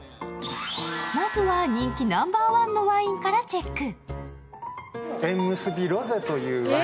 まずは人気ナンバーワンのワインからチェック。